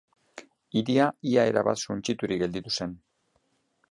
Hiria ia erabat suntsiturik gelditu zen.